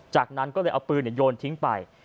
จากนั้นก็เลยเอาปืนโยนทิ้งไป